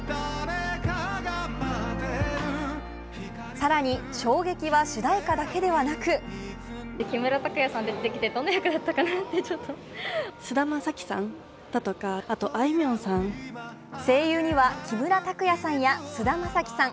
更に衝撃は主題歌だけではなく声優には木村拓哉さんや菅田将暉さん